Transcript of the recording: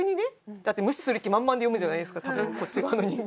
だって無視する気満々で読むじゃないですか多分こっち側の人間。